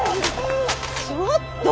ちょっと！